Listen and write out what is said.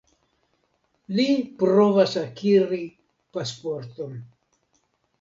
Li provas akiri pasporton.